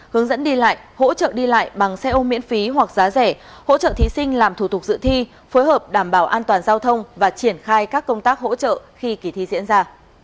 hướng dẫn đi lại hỗ trợ đi lại bằng xe ô miễn phí hoặc giá rẻ hỗ trợ thí sinh làm thủ tục dự thi phối hợp đảm bảo an toàn giao thông và triển khai các công tác hỗ trợ khi kỳ thi diễn ra